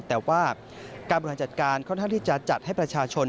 แต่ว่าการบริหารจัดการค่อนข้างที่จะจัดให้ประชาชน